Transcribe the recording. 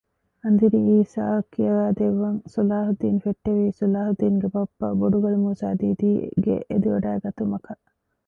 އަނދިރި އީސައަށް ކިޔަވައިދެއްވަން ޞަލާޙުއްދީނު ފެއްޓެވީ ޞަލާހުއްދީނުގެ ބައްޕަ ބޮޑުގަލު މޫސާ ދީދީގެ އެދިވަޑައިގަތުމަކަށް